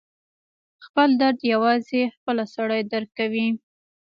خپل درد یوازې خپله سړی درک کوي.